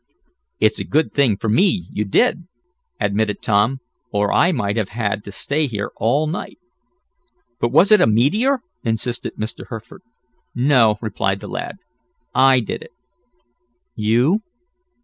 "It's a good thing for me you did," admitted Tom, "or I might have had to stay here all night." "But was it a meteor?" insisted Mr. Hertford. "No," replied the lad, "I did it." "You?"